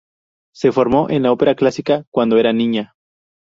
Se formó en la ópera clásica cuando era niña.